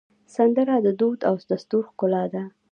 سندره د دود او دستور ښکلا ده